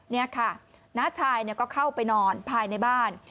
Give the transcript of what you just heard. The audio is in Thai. นี่ค่ะน้าชายก็เข้าไปนอนภายในบ้าน